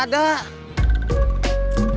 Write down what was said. aduh jompet saya gak ada